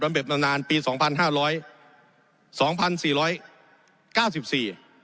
เบ็บนานนานปีสองพันห้าร้อยสองพันสี่ร้อยเก้าสิบสี่